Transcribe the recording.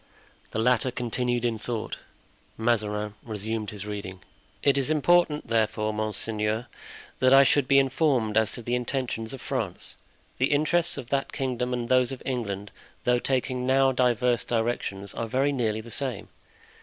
The latter continued in thought. Mazarin resumed his reading: "It is important, therefore, monseigneur, that I should be informed as to the intentions of France. The interests of that kingdom and those of England, though taking now diverse directions, are very nearly the same.